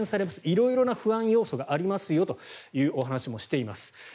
色々な不安要素がありますよというお話もしています。